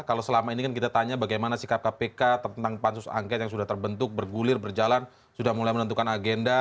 kalau selama ini kan kita tanya bagaimana sikap kpk tentang pansus angket yang sudah terbentuk bergulir berjalan sudah mulai menentukan agenda